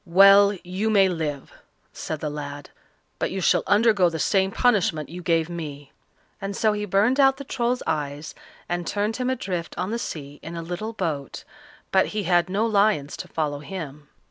"Well, you may live," said the lad, "but you shall undergo the same punishment you gave me;" and so he burned out the Troll's eyes, and turned him adrift on the sea in a little boat, but he had no lions to follow him.